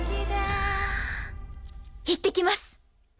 いってきます！